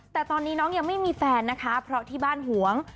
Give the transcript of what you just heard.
แต่ตอนนี้น้องยังไม่มีแฟนนะคะเพราะที่บ้านหวง